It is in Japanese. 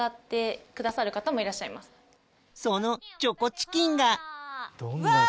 そのチョコチキンがうわ！